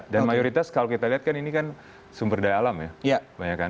dan mayoritas kalau kita lihat kan ini kan sumber daya alam ya